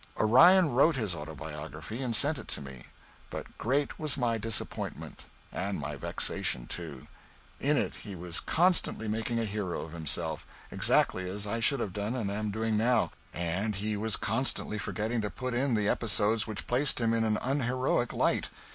Orion wrote his autobiography and sent it to me. But great was my disappointment; and my vexation, too. In it he was constantly making a hero of himself, exactly as I should have done and am doing now, and he was constantly forgetting to put in the episodes which placed him in an unheroic light.